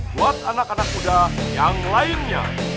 buat anak anak muda yang lainnya